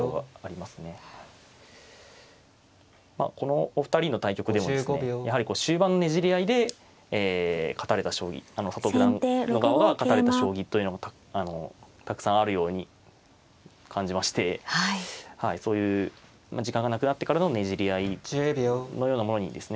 まあこのお二人の対局でもですねやはり終盤のねじり合いで勝たれた将棋佐藤九段の側が勝たれた将棋というのもたくさんあるように感じましてそういう時間がなくなってからのねじり合いのようなものにですね